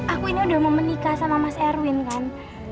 aku ini udah mau menikah sama mas erwin kan